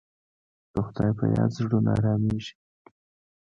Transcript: د خدای په یاد زړونه ارامېږي.